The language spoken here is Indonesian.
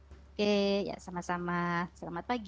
oke ya sama sama selamat pagi